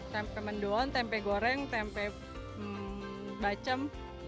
tempe mendoan tempe goreng tempe bacem